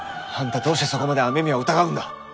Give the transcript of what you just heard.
あんたどうしてそこまで雨宮を疑うんだ？